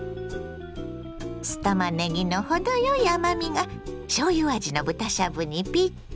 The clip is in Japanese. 酢たまねぎの程よい甘みがしょうゆ味の豚しゃぶにピッタリ。